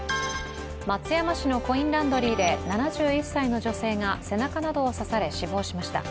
松山市のコインランドリーで７１歳の女性が背中などを刺され死亡しました。